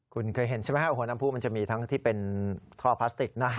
คุณเคยเห็นใช่ไหมครับหัวน้ำผู้มันจะมีทั้งที่เป็นท่อพลาสติกนะ